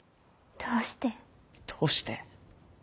「どうして」？